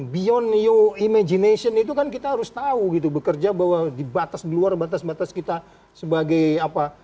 beyond you imagination itu kan kita harus tahu gitu bekerja bahwa di batas di luar batas batas kita sebagai apa